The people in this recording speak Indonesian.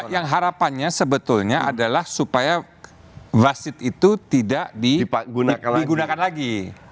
yang harapannya sebetulnya adalah supaya wasit itu tidak digunakan lagi